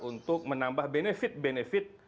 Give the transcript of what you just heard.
untuk menambah benefit benefit